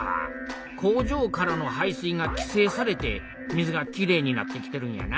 工場からの排水がきせいされて水がきれいになってきてるんやな。